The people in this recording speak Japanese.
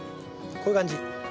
こういう感じ。